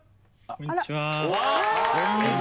こんにちは。